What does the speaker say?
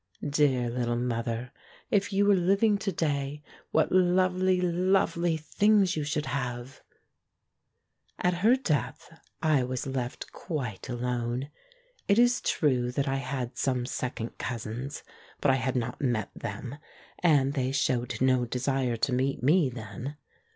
Dear little mother, if you were living to day, what lovely, lovely things you should have !... At her death I was left quite alone. It is true that I had some second cousins, but I had not met them, and they showed no desire to meet me then.